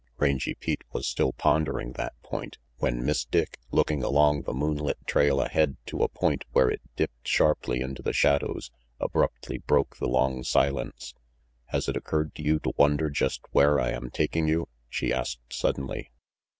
Rangy Pete was still pondering that point, when RANGY PETE 309 Miss Dick, looking along the moonlit trail ahead to a point where it dipped sharply into the shadows, abruptly broke the long silence. "Has it occurred to you to wonder just where I am taking you? " she asked suddenly.